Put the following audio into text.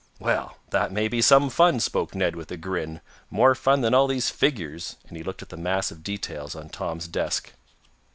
"Well, that may be some fun," spoke Ned, with a grin. "More fun than all these figures," and he looked at the mass of details on Tom's desk.